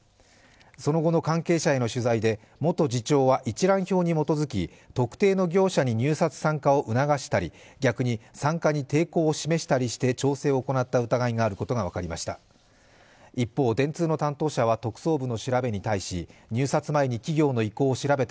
その後の関係者への取材で元次長は一覧表に基づき、特定の業者に入札参加を促したり逆に参加に抵抗を示したりして調整を行った疑いがあることが分かりました。